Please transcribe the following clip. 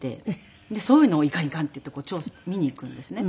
でそういうのをいかんいかんっていって調査見に行くんですね。